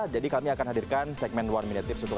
jadi kami akan hadirkan segmen one minute tips